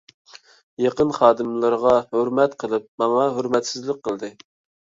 يېقىن خادىملىرىغا تۆھمەت قىلىپ، ماڭا ھۆرمەتسىزلىك قىلدى.